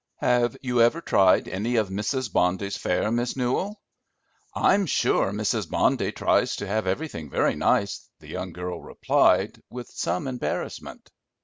Have you ever tried any of Mrs. Bondy's fare, Miss Newell?" "I'm sure Mrs. Bondy tries to have everything very nice," the young girl replied, with some embarrassment.